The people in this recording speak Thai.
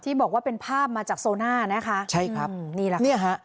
บอกว่าเป็นภาพมาจากโซน่านะคะใช่ครับนี่แหละค่ะเนี่ยฮะ